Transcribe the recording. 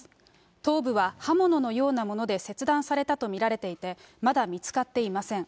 頭部は刃物のようなもので切断されたと見られていて、まだ見つかっていません。